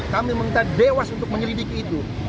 kami meminta dewas untuk menyelidiki itu